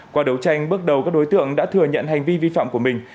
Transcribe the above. qua đấu tranh bước đầu các đối tượng đã thừa nhận hành vi vi phạm của mình